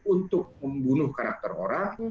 untuk membunuh karakter orang